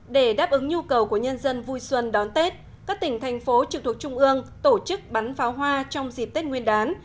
để đáp ứng nhu cầu của nhân dân vui xuân đón tết các tỉnh thành phố trực thuộc trung ương tổ chức bắn pháo hoa trong dịp tết nguyên đán